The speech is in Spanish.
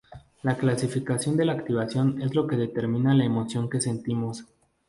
La clasificación de la activación es lo que determina la emoción que sentimos.